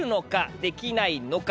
できないのか？